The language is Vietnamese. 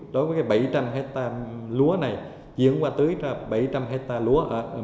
đối với cái bảy trăm linh hectare lúa này diễn qua tưới ra bảy trăm linh hectare